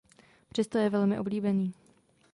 Přesto je velmi oblíbený.